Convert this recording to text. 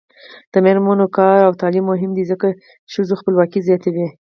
د میرمنو کار او تعلیم مهم دی ځکه چې ښځو خپلواکي زیاتوي.